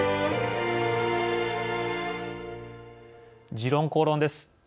「時論公論」です。